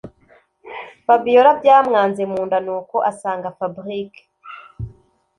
Fabiora byamwanze munda nuko asanga Fabric